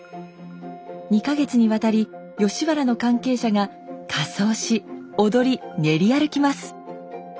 ２か月にわたり吉原の関係者が仮装し踊り練り歩きます。